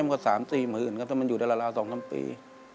มันก็๓๔หมื่นครับมันอยู่ได้ละลา๒๓ปี